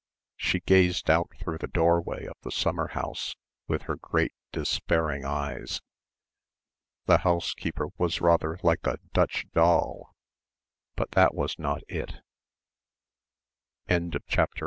She gazed out through the doorway of the summer house with her great despairing eyes ... the housekeeper was rather like a Dutch doll ... but that was not it. 7 The sun had set.